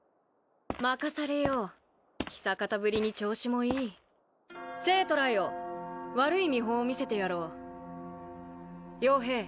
任されよう久方ぶりに調子もいい生徒らよ悪い見本を見せてやろう傭兵